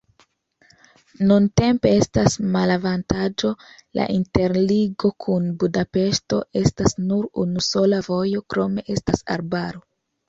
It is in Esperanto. Nuntempe estas malavantaĝo, la interligo kun Budapeŝto estas nur unusola vojo, krome estas arbaro.